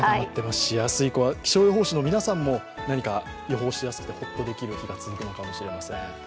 気象予報士の皆さんも予報しやすくてホッとできる日が続くのかもしれません。